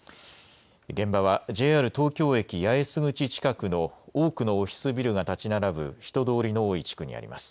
現場はＪＲ東京駅八重洲口近くの多くのオフィスビルが建ち並ぶ人通りの多い地区にあります。